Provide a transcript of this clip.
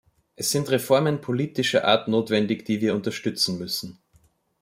Es sind Reformen politischer Art notwendig, die wir unterstützen müssen.